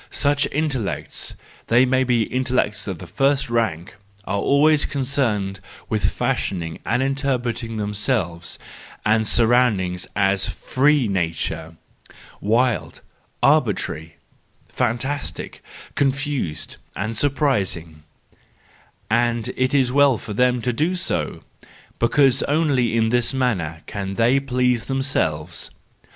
Such intellects—they may be intel¬ lects of the first rank—are always concerned with fashioning or interpreting themselves and their surroundings as free nature—wild, arbitrary, fan¬ tastic, confused and surprising: and it is well for them to do so, because only in this manner can they please themselves